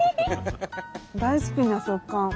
大好きな食感。